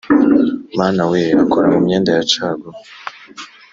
mama we akora mu myenda yacaguwa